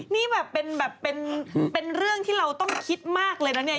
นี่แบบเป็นเรื่องเราต้องคิดมากเลยนะเนี่ย